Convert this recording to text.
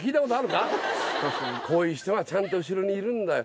こういう人がちゃんと後ろにいるんだよ。